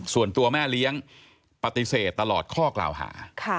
ส่วนตัวแม่เลี้ยงปฏิเสธตลอดข้อกล่าวหา